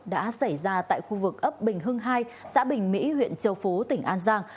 đã xảy ra tại khu vực ấp bình hưng hai xã bình mỹ huyện châu phú tỉnh an giang